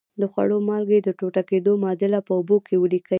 د خوړو مالګې د ټوټه کیدو معادله په اوبو کې ولیکئ.